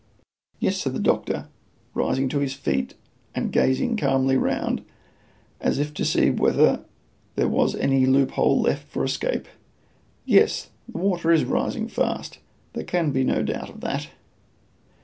"Yes," said the doctor, rising to his feet and gazing calmly round, as if to see whether there was any loophole left for escape; "yes, the water is rising fast; there can be no doubt of that."